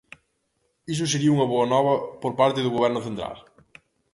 Iso sería unha boa nova por parte do Goberno central.